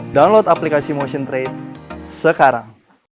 download aplikasi motion trade sekarang